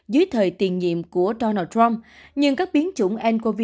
dưới thời tiền nhiệm của donald trump nhưng các biến chủng ncov